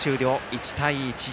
１対１。